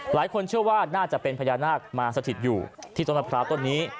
หลายคนเชื่อว่าน่าจะเป็นพญานาคมาสถิตอยู่ที่ต้นมะพร้าวต้นนี้